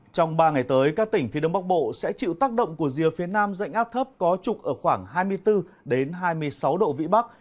trong ba ngày tới các tỉnh phía đông bắc bộ sẽ chịu tác động của rìa phía nam dạnh áp thấp có trục ở khoảng hai mươi bốn hai mươi sáu độ vĩ bắc